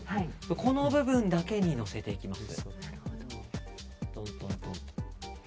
この部分だけにのせていきます。